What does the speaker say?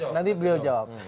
nanti beliau jawab